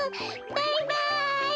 バイバイ！